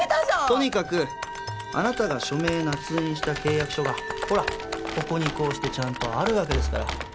とにかくあなたが署名なつ印した契約書はほらここにこうしてちゃんとあるわけですから。